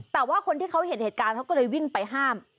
แต่ว่าคนที่เขาเห็นเหตุการณ์เขาก็เลยวิ่งไปห้าม